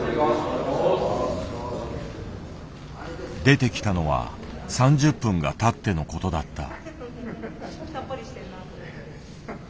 出てきたのは３０分がたってのことだった。